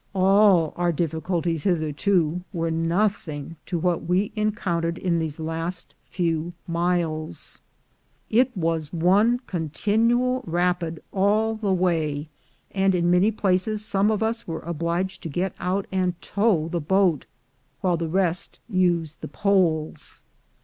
All our difficulties hitherto were nothing to what we en countered in these last few miles. I». was one con tinual rapid all the way, and in many places some of us were obliged to get out and tow the boat, while the rest used the poles.